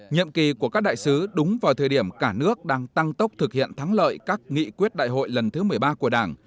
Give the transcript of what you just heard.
nhiệm kỳ của các đại sứ đúng vào thời điểm cả nước đang tăng tốc thực hiện thắng lợi các nghị quyết đại hội lần thứ một mươi ba của đảng